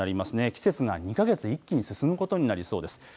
季節が２か月一気に進むことになりそうです。